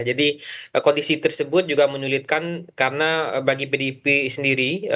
jadi kondisi tersebut juga menyulitkan karena bagi pdip sendiri